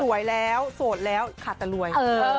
สวยแล้วโสดแล้วขาดแต่รวย